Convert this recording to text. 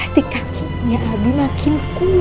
berarti kakinya abi makin kuat dong